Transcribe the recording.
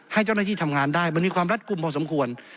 ให้เจ้าหน้าที่ทำงานได้มันมีความรัดกลุ่มพอสมควร